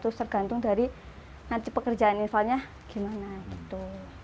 terus tergantung dari nanti pekerjaan infalnya gimana gitu